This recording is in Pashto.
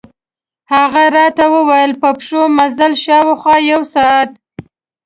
هغه راته ووېل په پښو مزل، شاوخوا یو ساعت.